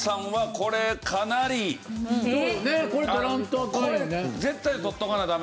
これ絶対取っとかなダメ。